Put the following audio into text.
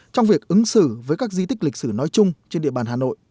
trong việc ứng xử với các di tích lịch sử nói chung trên địa bàn hà nội